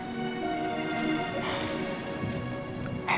aja di kepikiran untuk maju